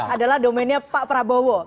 adalah domennya pak prabowo